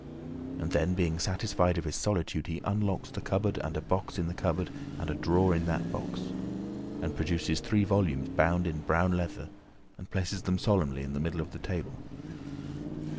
And then, being satisfied of his solitude, he unlocks the cupboard and a box in the cupboard and a drawer in that box, and produces three volumes bound in brown leather, and places them solemnly in the middle of the table.